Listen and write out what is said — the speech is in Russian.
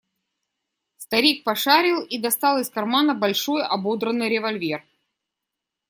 Старик пошарил и достал из кармана большой ободранный револьвер.